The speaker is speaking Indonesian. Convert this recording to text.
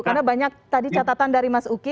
karena banyak tadi catatan dari mas uki